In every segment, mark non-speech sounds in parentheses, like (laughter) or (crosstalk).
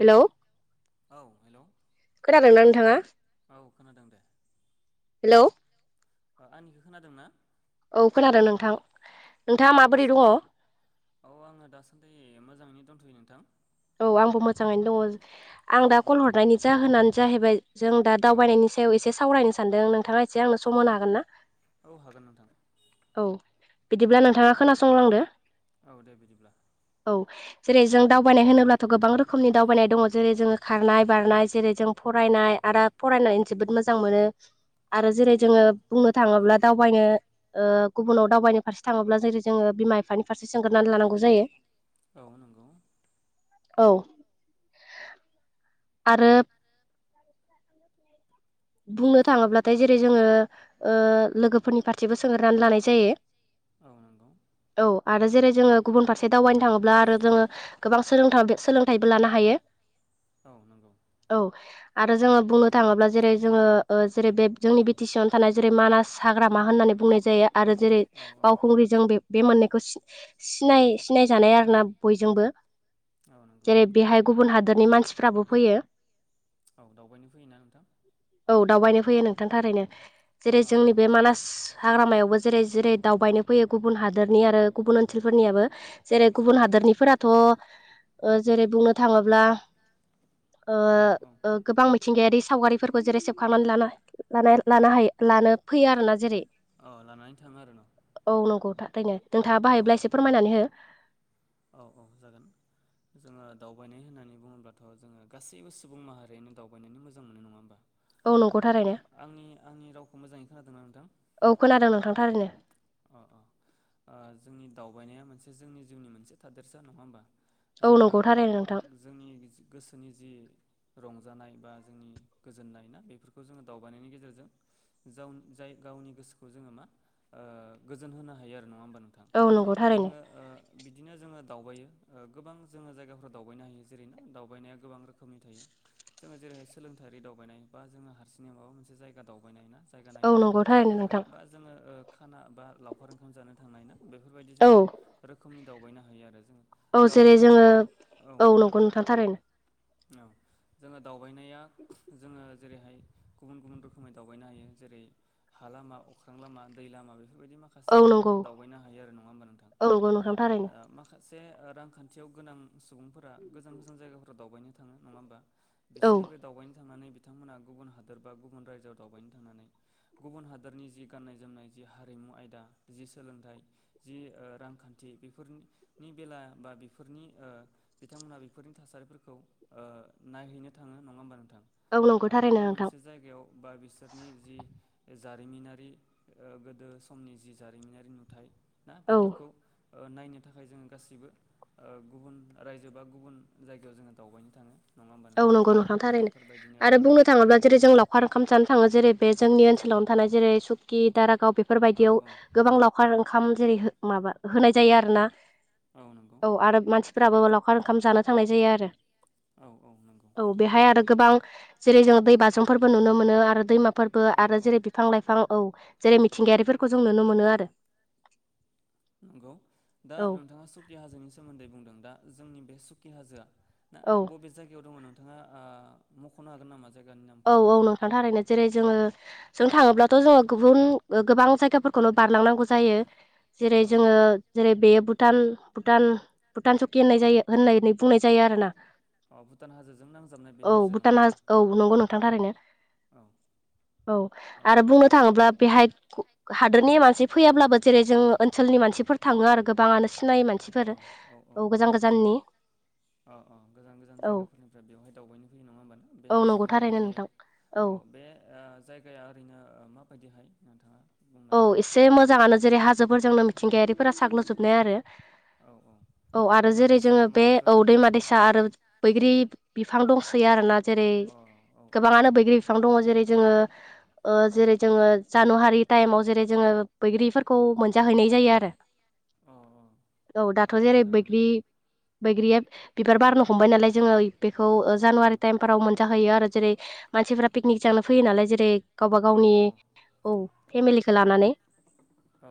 हेल' औ हेल' औ खोनादों दे हेल' आंनिखौ खोनादों ना औ खोनादों नोंथां ओ नोंथाङा माबोरै गोसो दङ औ आङो दासान्दि मोजाङैनो दोनथ'यो नोंथां औ आंबो मोजाङैनो दङ आं औ दा कल हरनायनि जाहोनानो जाहैबाय जों दा औ दावबायनायनि सायाव एसे सावरायनो सानदों नोंथाङा एसे आंनो सम होनो हागोन ना औ हागोन नोंथा औ बिदिब्ला नोंथाङा खोनासंलांदो औ दे बिदिब्ला औ जेरै जों दावबायनाय होनो अब्लाथ' गोबां रोखोमनि दावबायनाय दङ जेरै जोङो खारनाय बारनाय जेरै जों फरायनाय आरो फरायनाय मोजां मोनो आरो औ जेरै औ जोङो औ बुंनो थाङोब्ला दावबायनो गुबुनाव दावबायनो फारसे थाङोब्ला जेरै जोङो बिमा बिफानि फारसे सोंगोरनानै लानांगौ जायो औ नंगौ औ आरो औ बुंनो थाङोब्लाथाय जेरै जोङो ओ लोगोफोरनि फारसेबो सोंरनानै लानाय जायो। औ नंगौ औ आरो जेरै जोङो गुबुन फारसे दावबायनो थाङोब्ला आरो जोङो गोबां सोलों-सोलोंथाइबो लानो हायो। औ नंगौ औ आरो जोङो बुंनो थाङोब्ला जेरै जोङो जेरै बे जोंनि बि टि सि आवनो थानाय जेरै मानास हाग्रामा होननानै बुंनाय जायो। आरो जेरै औ बावखुंग्रिजों बे बे मोननायखौ सिनाय सिनायजानाय आरो ना बयजोंबो औ नंगौ जेरै नंगौ बेहाय गुबुन हादोरनि मानसि फ्राबो फैयो औ दावबायनो फैयोना नोंथां औ दावबायनो फैयो नोंथां थारैनो जेरै अ जोंनि बे मानास हाग्रामायावबो जेरै जेरै दावबायनो फैयो गुबुन हादोरनि आरो गुबुन ओनसोलफोरनियाबो जेरै गुबुन मानास हाग्रामायावबो जेरै हादरनिफोराथ' ओ जेरै बुंनो ओ ओ थाङोब्ला दावबायनो फैयो औ औ गोबां मिथिंगायारि सावगारि फोरबो जेरै सेभ खालामनानै ला-ला-ला-लानो हायो लानो फैयो आरोना जेरै औ लानानै थाङो आरो न थनो नोंथाङा औ बाहायब्ला एसे फोरमायनानै हो औ औ जागोन जोङो दावबायनाय होननानै बुङोब्लाथ जोङो गासैबो सुबुं माहारियानो दावबायनानै मोजां मोनो नङा होमबा औ नंगौ थारैनो आंनि आंनि रावखौ मोजाङै खोनादोंना नोंथां औ खोनादों नोंथां थारैनो अ अ जोंनि दावबायनाया मोनसे जोंनि जिउनि मोनसे थादेरसा नङा होमबा औ जोङो नंगौ थारैनो नोंथां जोंनि गोसोनि जि रंजानाय बा जोंनि गोजोननाय ना बेफोरखौ जोङो दावबायनायनि गेजेरजों जाय गावनि गोसोखौ जोङो मा गोजोन होनो हायो आरो नङा होमबा नोंथां औ नंगौ थारैनो जोङो बिदिनो जोङो दावबायायो गोबां जोङो जायगााव दावबायनो हायो जेरैनोा दावबायनाया गोबां रोखोमनि थायो जोङो जेरै जेरैहाय सोलोंथाइारि दावबायनाय बा जोङो हारसिंै माबा मोनसे जायगा दावबायनाय ना जायगा औ नायनो नंगौ थांनाय थारैनो नोंथां बा जोङो खाना बा लावखार ओंखाम जानो थांनाय ना बेफोरबायदि औ जोङो रोखोमनि दावबायनो हायो आरो जोङो औ जेरै दावबायनानै जोङो औ नंगौ नोंथां थारैनो औ जोङो दावबायनाया जोङो जेरैहाय गुबुन गुबुन रोखोमै दावबायनो हायो। जेरै हा लामा, अख्रां लामा, दै लामा बेफोरबायदि माखासे औ जोङो नंगौ दावबायनो हायो आरो नङा होमबा नोंथां औ नंगौ नोंथां थारैनो माखा से रांखान्थियाव गोनां सुबुंफोरा गोजान गोजान जायगाफोराव दावबायनो थाङो नङा होमबा औ बिसोरनिफ्राय दावबायनो थांनानै बिथांमोना गुबुन हादोर बा गुबुन रायजोआव दावबायनो थांनानै गुबुन हादोरनि जि गाननाय जोमनाय जि हारिमु आयदा जि सोलोंथाइ जि रांखान्थि बेफोरनि बेला बा बेफोरनि बिथांमोनहा बेफोरनि थासारिफोरखौ नायहैनो थाङो नङा होम औ नंगौ थारैनो माबाबे नोंथां मोनसे जायगायाव बाद बिसोरनि जि जारिमिनारि ओ गोदो समनि जि जारिमिनारि नुथ ना औ बेफोरखौ ओ नायनो थाखाय जोङो गाैबो ओ गुबुन रायजो बा गुबुन जायगायाव जोङो दावबायनो थाङो। नङा होमबा औ नोंथां नंगौ नोथां थारैनो बेफोरबायदिनो आरो औ बुंनो थाङोब्ला जेरै जों लावखार ओंखाम जानो थाङो जेरै बे जोंनि ओनसोलावनो थानाय जेरै सुक्कि दारागाव औ बेफोरबायदियाव गोबां लावखार ओंखाम जेरै हो माबा होनाय जायो आरोना औ नंगौ औ आरो मसि फोराबो लावखार ओंखाम जानो थांनाय जायो आरो औ औ नंगौ औ बेहाय आरो गोबां जेरै जों दै बाज्रुमफोरबो नुनो मोनो आरो दैमा फोरबो औ आरो औ जेरै बिफां लाइफां औ जेरै मिथिंगायारिफोरखौ जों नुनो मोनो आरो। नंगौ दा औ नोंथाङा सुकि हाजोनि सोमोन्दै बुंदों दा जोंनि बे सुकि हाजोआ दा औ बबे जायगायाव दङ नोंथाङा आ मख'नो हागोन नामा? जायगानि औ नामखौ औ नोंथांनि थाखायनो जेरै जोङो जों थाङोब्लाथ' जोङो गुबुन गोबां जायगाफोरखौनो बारलांनांगौ जायो। जेरै औ औ जोङो जेरै बे बुद भुटान - भुटान - भुटान सकि होननाय जायो होननानै बुंनाय जायो आरो ना अ भुटान हाजोजों नांजाबनाय बे हाजो नङा भुटान होमबा औ नंगौ नोंथां थारैनो औ औ ओ आरो बुंनो बेनिफ्राय थाङोब्ला बेहाय हादोर नि मानसि फैयाब्लाबो जेरै जों ओनसोलनि मानसिफोर थाङो आरो गोबाङानो नाय मानसिफोर औ गोजान गोजाननि अ अ गोजान-गोजान औ जायगाफोरनिफ्राय बेवहाय दावबायनो फैयो नङा होमब ना बे औ हाजोखौ नंगौ खौ नायनो थारैनो फैयो नोंथां औ बे ओ जायगाया ओरैनो माबायदिहाय नोंथाङा बुंनो औ हागोन ना एसे मोजाङानो जेरै हाजोफोरजोंनो मिथिंगायारिफोरा साग्लोबजोबनाय आरो औ आरो दैमा जेरै दैसा जोङो बे माबाफोर औ दैमा दैसा आरो बैग्रि बिफां दंसोयो आरोना जेरै अ औ औ औ गोबाङानो बैग्रि बिफां दङ जेरै जोङो ओ जेरै जोङो जानु हारि टाइमाव जेरै जोङो बैग्रिफोरखौ मोनजाहैनाय जायो आरो अ औ दाथ' ओ जेरै मोजाङानो बैग्रि बैग्रिया बिबार बारनो हमबाय नालाय जोङो बेखौ औ जानुवारि टाइमफोराव मोनजाहैयो आरो जेरै मानसिफोरा पिकनिक जानो फैयो नालाय जेरै गावबा औ गावनि औ औ फेमिलिखौ लानानै औ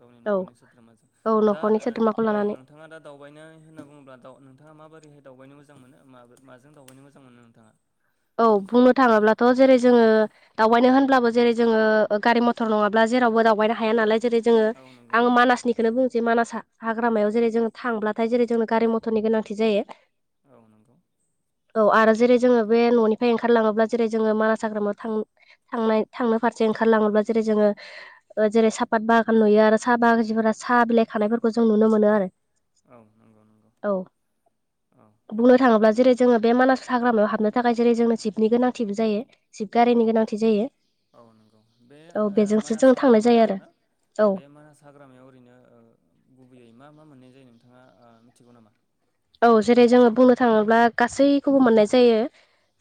गावनि औ न'खरनि सोद्रोमाजों औ दा न'खरनि सोद्रोमाखौ ओ-औ लानानै नोंथाङा दा दावबायनाय होनना बुङोब्ला दाउ नोंथाङा माबोरैहाय दावबायनो मोजां मोनो मा- माजों दावबायनो मोजां मोनो नोंथाङा? औ बुंनो थाङोब्लाथ' जेरै जोङो दावबायनो होनब्लाबो जेरै जोङो गारि मटर नङाब्ला जेरावबो दावबायनो हाया नालाय जेरै जोङो औ नंगौ। आं मानासनिखौनो बुंनोसै मानासा हाग्रामायाव जेरै जोङ थांब्लाथाय जेरै जोंनो गारि मथरनि गोनांथि जायो औ नंगौ। औ आरो जेरै जोङो बे न'निफ्राय ओंखारलाङोब्ला जेरै जोङो मानास हाग्रामायाव थां-थांनाय थांनो फारसे ओंखारलाङोब्ला जेरै जोङो ओ जेरै साहापात बागान नुयो आरो साहा बाग्रिफोरा साहा बिलाइ खानायफोरखौ जों नुनो मोनो आरो औ नंगौ नंगौ औ औ बुंनो ओ थाङोब्ला बिद जेरै जोङो बे मानास हाग्रामायाव हाबनो थाखाय जेरै जोंनो जिबनि गोनांथिबो जायो जिप औ गारिनि औ गोनांथि जायो औ नंगौ बे औ ओ बेजोंसो मानास जों थांनाय जायो हाग्रामायाव आरो ना औ बे मानास हाग्रामायाव ओरैनो ओ गुबैयै मा मा मोनाय जे नोंथाङा ओ मिथिगौ नामा? औ जेरै जोङो बुंनो थाङोब्ला गासैखौबो मोननाय जायो।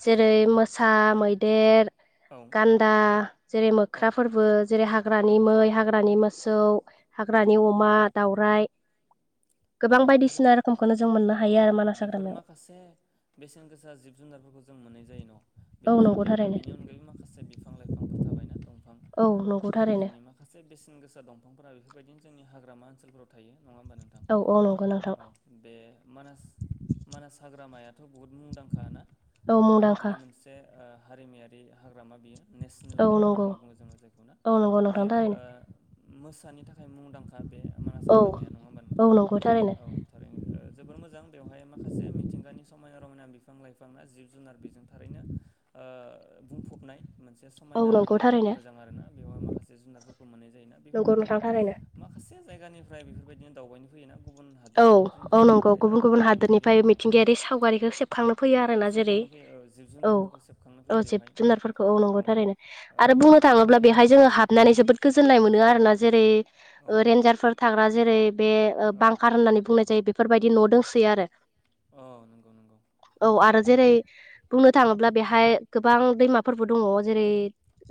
जेरै मोसा मैदेर औ गान्दा जेरै मोख्रा औ फोरबो जेरै हाग्रानि औ मै हाग्रानि मोसौ औ हाग्रानि अमा दावराइ अ गोबां बेफोर बायदिसिना रोखोमखौनो जों मोननो अ हायो आरो मानास बेफोर हाग्रामायाव माखासे बेसेन गोसा जिब जुनारफोरखौ जों मोननाय जाय न' औ बेनिफ्राय नंगौ बेवहाय थारैनो बेनि अनगायैबो माखासे बिफां लाइफां थाबायना दंफां औ नंगौ आं थारैनो जोंनि माखासे बेसेन गोसा दंफांफोरा बेफोरबायदि जोंनि हाग्रा ओनसोलाफोराव थायो नङा होमब नोंथां औ बे मानास मानास हाग्रामाया बुहुत मुंदांखा ना औ मुंदांखा बियो मोनसे हारिमायारि हाग्रामा बियो नेसनेल औ पार्क नंगौ होननानै बुङो जोङो जायखौना औ नंगौ नोंथां बेयो थारैनो ओ मोसानि थाखाय मुंदांखा बे मानास औ हाग्राया नङा होमबा औ नोंथां नंगौ थारैनो औ थारैनो जोबोर मोजां बेवहाय माखासे मिथिंगानि समाय रमायना बिफां लाइफां ना जिब जुनार बेजों थारैनो ओ ओ बुंफबनाय मोनसे औ समायना नंगौ नायनो थारैनो मोजां आरोना बेवहाय माखासे जुनारफोरखौ मोननाय जायोना नंगौ बेफोरबायदि नो नोंथां थारैनो माखासे जायगानिफ्राय बेफोरबायदिनो दावबायनो फैयोना गुबुन औ औ हादोरनिफोरनिफ्रायबो नंगौ बेवहाय दाव गुबुन गुबुन दावबायनो फैयो हादोरनिफाय औ मिथिंगायारि सावगारिखो सेबखांनो फैयो आरो ना जेरै सेबखांनो फैयो ओ जिब- औ जुनारफोरखौ सेबखांनो फैयो औ जिब बेवहाय जुनारफोरखौ औ नंगौ ओ गोबांथारै ओ हाबनानै जोबोद गोननाय मोनो आरोना जेरै औ ओ रेन्जारफोर थाग्रा जेरै बे ओ औ बां होननानै बुंनाय जायो बेफोरबायदि न' दोंसोयो आरो औ नंगौ नंगौ औ आरो ओ जेरै बुंनो थाङोब्ला बेहाय गोबां दैमाफोरबो दङ' जेरै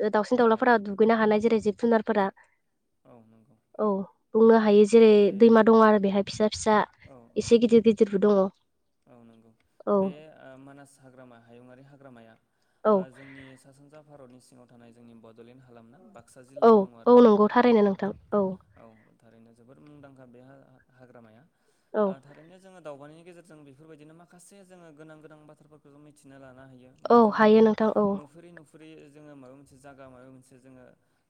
ओ दावसिन औ दाउलाफोरा दुगैनो हानाय जेरै जिब -जुनारफोरा औ नंगौ औ औ बुंनो हायो जेरै बे दैमा दं आरो बेहाय फिसा फिसा औ औ एसे गिदिर गिदिरबो दङ' औ नंगौ औ बे ओ मानास हाग्रामा हायुङारि हाग्रामाया औ ओ जोंनि सा सानजा भारतनि सिङाव थानाय जोंनि बडलेण्ड हालामना बा क्सा औ जिल्लायाव दङ' औ आरो बे नंगौ हाग्राया नङा थारैनो होमबा नोंथां औ औ थारैनो जोबोर मुंदांखा बे हा हाग्रामाया औ ओ थारैनो जोङो दाउबायनाय जों बेफोरबायदिनो माखासे जोङो गोनां गोनां बाथ्राफोरखौ जों मिथिनो ला ना हायो बा औ जोङो नु हायो नोंथां औ नुफेरै नुफ फ्रि जोङो माबा मोनसे जायगा माबा मोनसे जोङो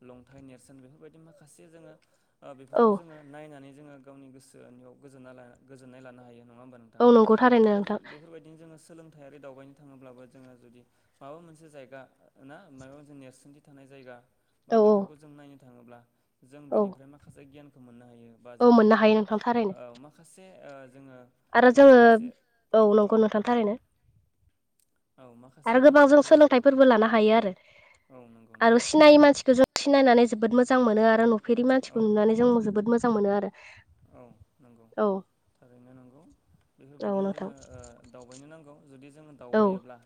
लंथाइ नेरसोन बेफोरबायदि माखासे जोङो ओ औ बेफोरखौ जोङो नायनानै जोङो गावनि गोसोनिआव गोजोननाय ला गोजोननाय लानो हायो नङा होमबा नों औ नंगौ थारैनो बेफोर नोंथां बेफोरबायदिनो जोङो सोलों थायारि दावबायनो थाङोब्लाबो जोङो जुदि माबा मोनसे जायगा ना माबा मोनसे नेरसोनथि थानाय जायगा (unintelligible) बा औ बेफोरखौ जों नायनो थाङोब्ला जों औ बिनिफ्राय माखासे गियानखौ मोननो हायो बा औ जों मोननो हायो बिनिफ्राय नोंथां थारैनो ओ माखासे ओ जोङो आरो ओ जोङो माखासे औ नंगौ नोंथां थारैनो औ माखासे आरो गोबां जोङो जों बेफोरबायदि सोलोंथाइफोरबो लानो हायो आरो। औ नंगौ नंगौ आरो सिनायै मानसिखौ जों सिनायनानै जोबोद मोज जां मोनो आरो नुफेरि मानसिखौ औ नुनानै जों मो जोबोद मोजां मोनो आरो औ नंगौ औ थारैनो नों (unintelligible) औ बेफोरबायदिनो नोंथां जोङो ओ दावबायनो नांगौ जुदि जोङो औ दावबायोब्ला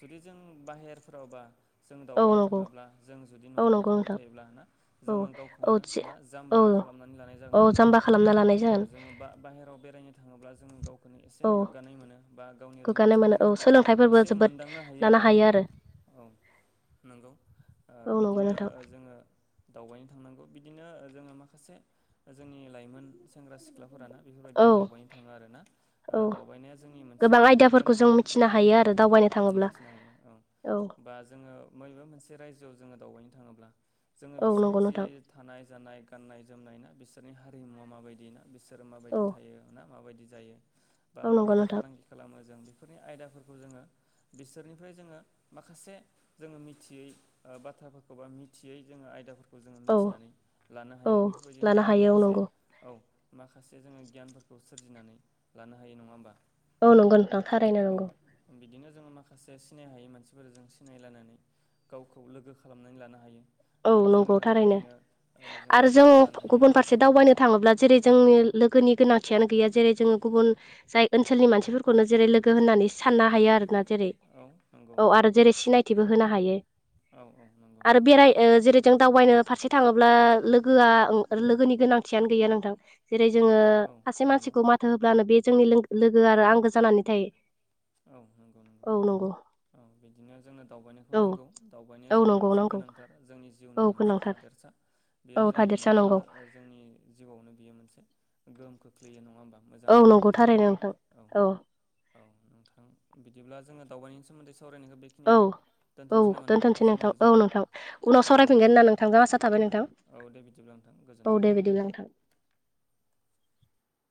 जुदि जों बाहेरफ्रावबा जों औ दावबायनो नंगौ थाङाब्ला जों जुदि औ न'आवनो नंगौ थाबाय नोंथां थायोब्ला ना औ जोङो औ गावखौनो थि मा औ जाम्बा खालामनानै लानाय औ जागोन आरो नङा जाम्बा होमबा खालामना लानाय औ जागोन जोङो बा बाहेराव बेरायनो थाङोबा जों गाव एसे औ गोग्गानाय मोनो बा गावनि गोग्गानाय रोंगौथिखो मोनो औ जोङो सोलोंथाइफोरबो एसे जोबोद मोनदांनो हायो लानो आरो औ। औ नंगौ ओ औ नंगौ बिदिनो नोंथां ओ जोङो दावबायनो थांनांगौ बिदिनो ओ जोङो माखासे जोंनि लाइमोन सेंग्रा सिख्लाफोराना औ बेफोरबायदिनो दावबायनो थाङो आरोना ओ औ दावबायनाया जोंनि मोनसे जोबोर गोनांथार (unintelligible) नो औ हायो आरो दावबायनाय मिथिनो हायो औ बा जोङो मैबा मोनसे रायजोआव जोङो दावबायनो थाङोब्ला जोङो औ बिसोरनि नंगौ जि नोंथां थानाय जानाय गाननाय -जोमनाय ना बिसोरनि हारिमुवा माबायदि ना बिसोरो औ माबायदि थायो ना माबायदि जायो बा औ नंगौ माबायदि नोंथां फालांगि खालामो जों बेफोरनि आयदाफोरखौ जोङो बिसोरनिफ्राय जोङो माखासे जोङो मिथियै ओ बाथ्राफोरखौ बा मिथियै जोङो आयदाफोर खौ जोङो औ मिथिनानै लानो औ हायो बेफोरबायदिनो लानो जोङो हायो औ माखासे नंगौ (unintelligible) माखासे जोङो गियानफोरखौ सोरजिनानै लानो हायो नङा होमबा औ नंगौ नोंथां थारैनो औ नंगौ बिदिनो जोङो माखासे सिनाय हायै मानसिफोर जों सिनायलानानै गावखौ लोगो खालामनानै लानो हायो। औ ना नंगौ जोङो थारैनो बिदिनो ओ आरो जों हेफाजाब लानो हायो गुबुन फारसे दावबायनो थाङोब्ला जेरै जोंनि लोगोनि गोनांथियानो गैया जेरै जोङो गुबुन जाय ओनसोलनि मानसिफोरखौनो जेरै लोगो होनना नै साननो हायो आरोना जेरै औ नंगौ औ आरो जेरै सिनायथिबो होनो हायो। औ औ नंगौ। आरो बेराय (unintelligible) जों दावबायनो फारसे थाङोब्ला लोगोआ ओं लोगोनि गोनांथियानो गैया नोंथां। जेरै जोङो औ सासे नंगौ मानसिखौ माथो होब्लानो बे जोंनि लोगो आरो आंगो जानानै थायो। औ नंगौ नंगौ। औ बिदिनो जोंनो दावबायनायखौ औ नांगौ दावबायनाया औ जोंनि नंगौ मोनसे नंगौ गोनांथार जोंनि जिउनि औ मोनसे गोनांथार थादेरसा बेयो औ जोंनि थादेरसा नंगौ मोनफ्रोमबो जोंनि जिउआवनो बियो मोनसे गोहोम खोख्लैयो नङा होमबा मोजां औ गोहोम नंगौ खोख्लैयो थारैनो नोंथां औ औ। नोंथां बिदिब्ला जोङो दावबायनायनि सोमोन्दै सावरायनायखौ औ बेखिनियावनो औ दोनथ'नोसै नामा दोनथ'नोसै नोंथां समाबो औ जाबाय नोंथां उनाव औ सावरायफिनगोन होना नोंथांजों आसा थाबाय नोंथां। औ दे बिदिब्लाब्ला नोंथां औ गोजोन्थों। दे बिदिब्ला (inaudible)